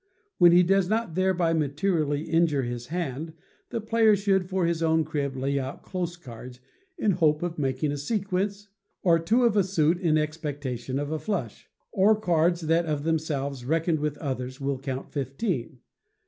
When he does not thereby materially injure his hand, the player should for his own crib lay out close cards, in hope of making a sequence; or two of a suit, in expectation of a flush; or cards that of themselves reckoned with others will count fifteen.